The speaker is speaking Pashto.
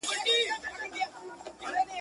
زور دی پر هوښیار انسان ګوره چي لا څه کیږي.